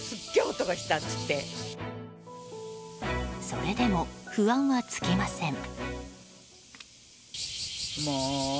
それでも不安は尽きません。